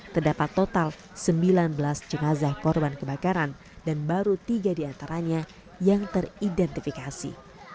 terdapat total sembilan belas jenazah korban kebakaran dan baru tiga diantaranya yang teridentifikasi